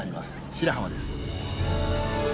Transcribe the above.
白浜です。